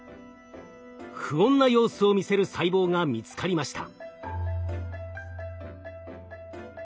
不穏な様子を見せる細胞が見つかりました。